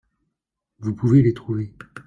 Vous pouvez les trouver.